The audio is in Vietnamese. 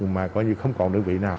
mà coi như không còn đơn vị nào